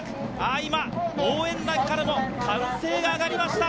今、応援団からも歓声が上がりました。